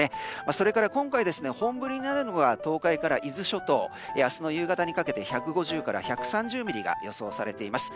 それから今回、本降りになるのは東海から伊豆諸島明日の夕方にかけて１５０から１３０ミリが予想されています。